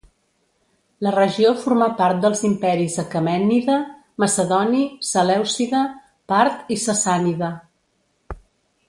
La regió formà part dels imperis aquemènida, macedoni, selèucida, part i sassànida.